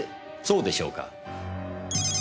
そうでしょうか？